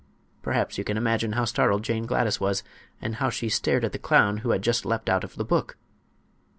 Perhaps you can imagine how startled Jane Gladys was, and how she stared at the clown who had just leaped out of the book.